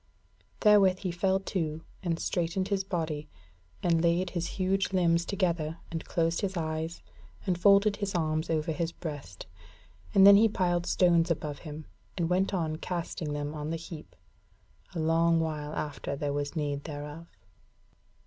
Therewith he fell to, and straightened his body, and laid his huge limbs together and closed his eyes and folded his arms over his breast; and then he piled the stones above him, and went on casting them on the heap a long while after there was need thereof.